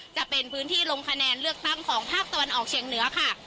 จะเป็นพื้นที่ลงคะแนนเลือกตั้งของภาคตะวันออกเชียงเหนือค่ะ